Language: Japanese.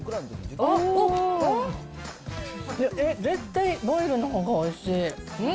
絶対、ボイルのほうがおいしい。